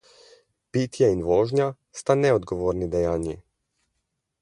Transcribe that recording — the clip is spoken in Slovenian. Pitje in vožnja sta neodgovorni dejanji.